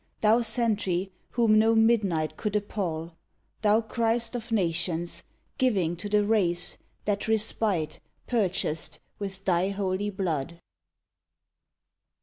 Thou sentry, whom no midnight could appall! Thou Christ of nations, giving to the race That respite purchased with thy holy blood